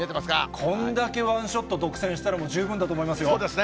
こんだけワンショット独占したら、十分だと思いますよ。